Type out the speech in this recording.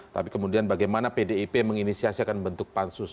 tapi kemudian bagaimana pdip menginisiasiakan bentuk pansus